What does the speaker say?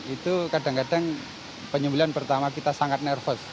itu kadang kadang penyembelian pertama kita sangat nervous